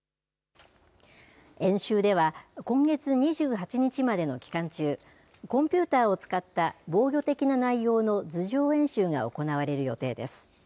演習では、今月２８日までの期間中、コンピューターを使った防御的な内容の図上演習が行われる予定です。